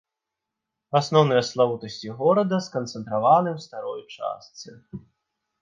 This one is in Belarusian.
Асноўныя славутасці горада сканцэнтраваны ў старой частцы.